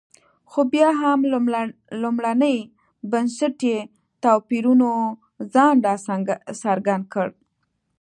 خو بیا هم لومړني بنسټي توپیرونو ځان راڅرګند کړ.